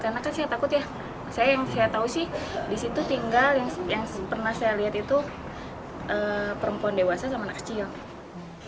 karena kan saya takut ya saya yang saya tahu sih di situ tinggal yang pernah saya lihat itu perempuan dewasa sama anak kecil